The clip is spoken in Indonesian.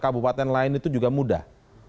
kabupaten lain itu juga mudah